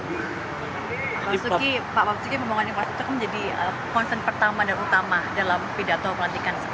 pak pak suki pembangunan plastik itu kan menjadi konsen pertama dan utama dalam pidato pelantikan sekarang